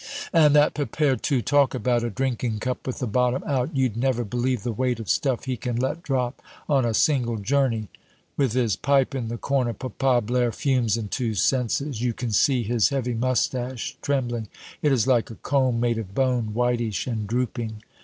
"And that Pepere, too, talk about a drinking cup with the bottom out! You'd never believe the weight of stuff he can let drop on a single journey." With his pipe in the corner, Papa Blaire fumes in two senses. You can see his heavy mustache trembling. It is like a comb made of bone, whitish and drooping.